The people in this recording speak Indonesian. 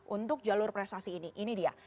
untuk jalur prestasi ini